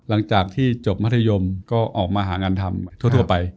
หลังจากที่จบมัธยมก็ออกมาหางานทำทั่วไป